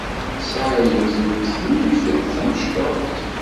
Nesɛa yiwet n tetribt d tamecṭuḥt.